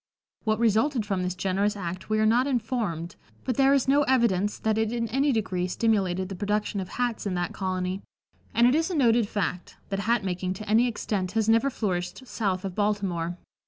What resulted from this generous act we are not informed, but there is no evidence that it in any degree stimulated the production of hats in that colony, and it is a noted fact that hat making to any extent has never flourished south of Baltimore.